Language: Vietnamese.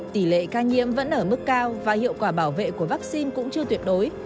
tỷ lệ ca nhiễm vẫn ở mức cao và hiệu quả bảo vệ của vaccine cũng chưa tuyệt đối